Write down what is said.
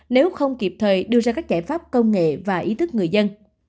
nếu không kịp thời đưa ra các giải pháp công nghệ và ý thức người dân